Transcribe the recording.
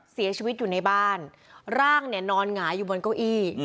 เสียชีวิตอยู่ในบ้านร่างเนี่ยนอนหงายอยู่บนเก้าอี้